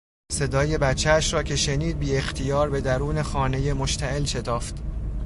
صدای بچهاش را که شنید بیاختیار به درون خانهی مشتعل شتافت.